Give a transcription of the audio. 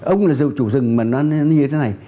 ông là chủ rừng mà nó như thế này